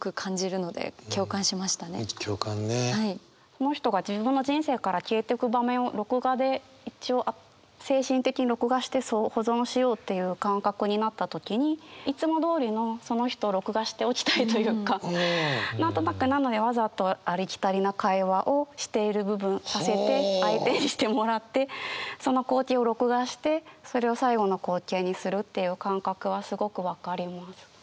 その人が自分の人生から消えてく場面を録画で一応精神的に録画して保存しようっていう感覚になった時に何となくなのでわざとありきたりな会話をしている部分させて相手にしてもらってその光景を録画してそれを最後の光景にするっていう感覚はすごく分かります。